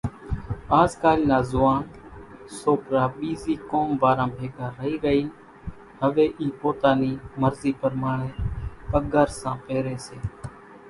آز ڪالِ نا زوئاڻ سوڪرا ٻيزِي قوم واران ڀيڳا رئِي رئينَ هويَ اِي پوتا نِي مرضِي پرماڻيَ پڳرسان پيريَ سي۔